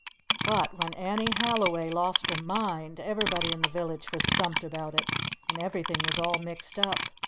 But when Annie Halliway lost her mind, everybody in the village was stumped about it. And everything was all mixed up.